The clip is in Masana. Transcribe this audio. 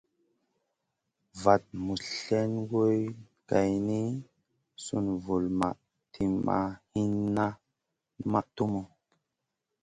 Vaɗ muzn slèn goy geyni, sùn vulmaʼ tinʼ ma hinna, numaʼ tumu.